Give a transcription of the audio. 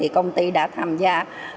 công ty đã tham gia